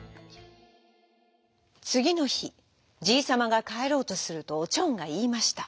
つぎのひじいさまがかえろうとするとおちょんがいいました。